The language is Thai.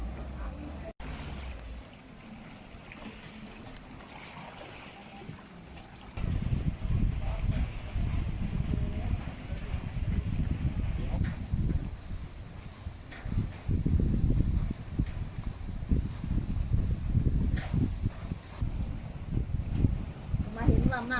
สวัสดีครับสวัสดีครับ